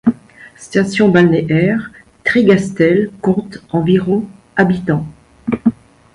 Station balnéaire, Trégastel compte environ habitants.